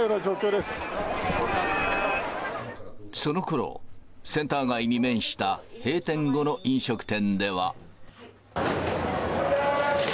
そのころ、センター街に面した閉店後の飲食店では。